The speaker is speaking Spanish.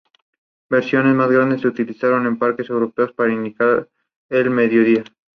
Sus escritos aparecieron en todas las publicaciones de Cuba.